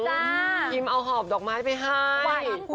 คุณผู้ชมเอาหอบดอกไม้ไปให้